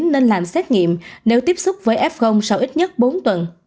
nên làm xét nghiệm nếu tiếp xúc với f sau ít nhất bốn tuần